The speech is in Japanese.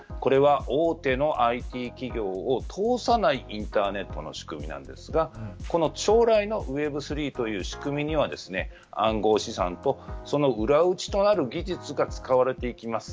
これは大手のＩＴ企業を通さないインターネットの仕組みなんですが将来のＷｅｂ３という仕組みには暗号資産とその裏打ちとなる技術が使われていきます。